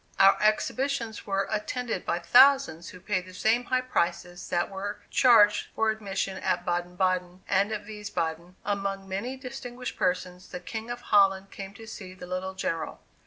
Our exhibitions were attended by thousands who paid the same high prices that were charged for admission at Baden Baden, and at Wiesbaden, among many distinguished persons, the King of Holland came to see the little General.